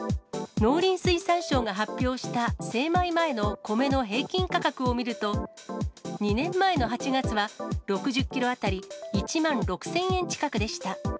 農林水産省が発表した、精米前の米の平均価格を見ると、２年前の８月は、６０キロ当たり１万６０００円近くでした。